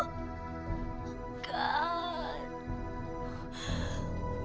nona itu harganya tau gak